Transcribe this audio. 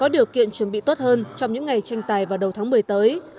điều kiện chuẩn bị tốt hơn trong những ngày tranh tài vào đầu tháng một mươi tới